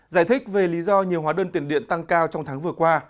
giải thích về lý do nhiều hóa đơn tiền điện tăng cao trong tháng vừa qua